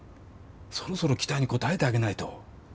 そろそろ期待に応えてあげないと。